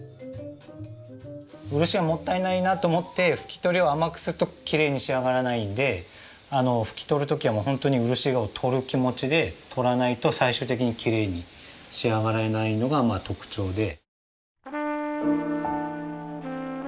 漆がもったいないなと思って拭き取りを甘くするときれいに仕上がらないんで拭き取る時は本当に漆を取る気持ちで取らないと最終的にきれいに仕上がらないのが特徴で。